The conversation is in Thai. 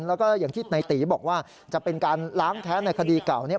แล้วก็อย่างที่ในตีบอกว่าจะเป็นการล้างแท้ในคดีเก่านี้